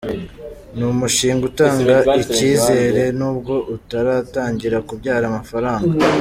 Ni umushinga utanga icyizere nubwo utaratangira kubyara amafaranga.